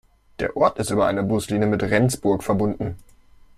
Der Ort ist über eine Buslinie mit Rendsburg verbunden.